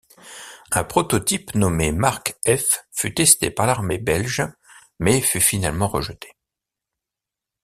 Un prototype nommé Mark F fut testé par l’Armée belge mais fut finalement rejeté.